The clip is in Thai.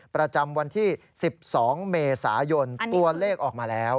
ประจำวันที่๑๒เมษายนตัวเลขออกมาแล้ว